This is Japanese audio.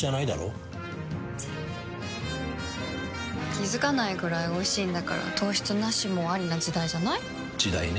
気付かないくらいおいしいんだから糖質ナシもアリな時代じゃない？時代ね。